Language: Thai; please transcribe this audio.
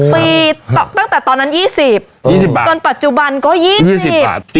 ๑๐ปีตั้งแต่ตอนนั้น๒๐บาท๒๐บาทตอนปัจจุบันก็๒๐บาท